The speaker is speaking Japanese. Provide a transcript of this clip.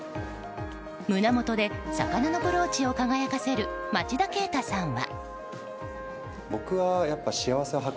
胸元で魚のブローチを輝かせる町田啓太さんは。